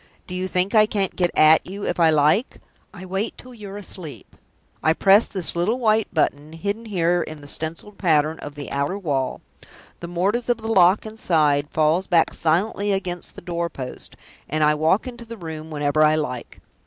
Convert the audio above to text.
Do you think I can't get at you if I like? I wait till you're asleep I press this little white button, hidden here in the stencilled pattern of the outer wall the mortise of the lock inside falls back silently against the door post and I walk into the room whenever I like.